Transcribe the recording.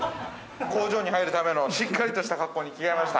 工場に入るためのしっかりとした格好に着替えました。